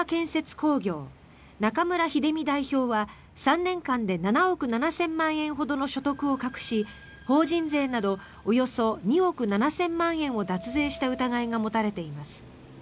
工業中村秀美代表は３年間で７億７０００万円ほどの所得を隠し法人税などおよそ２億７０００万円を脱税した疑いが持たれています。